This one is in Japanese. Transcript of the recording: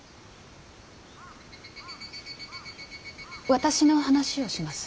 私の話をします。